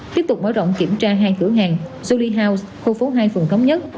tiếp tục mở rộng kiểm tra hai cửa hàng jolie house khu phố hai phường cống nhất